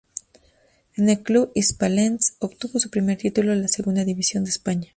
En el club hispalense obtuvo su primer título: la Segunda División de España.